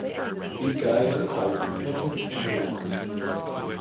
These guides are called repentance and remorse.